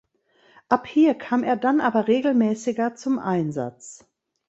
Ab hier kam er dann aber regelmäßiger zum Einsatz.